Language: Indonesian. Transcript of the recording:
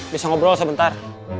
bisa ngobrol sebentar